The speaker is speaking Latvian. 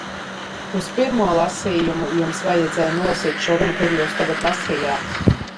Uz pirmo lasījumu jums vajadzēja nolasīt šo runu, kuru jūs tagad lasījāt!